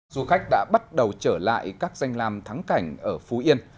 du khách đã bắt đầu trở lại các danh làm thắng cảnh ở phú yên